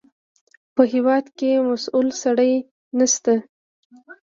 په هېواد کې مسوول سړی نشته.